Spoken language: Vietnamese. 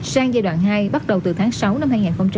sang giai đoạn hai bắt đầu từ tháng sáu năm hai nghìn hai mươi